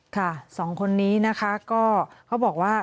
สองคนนี้นะคะก็เขาบอกว่า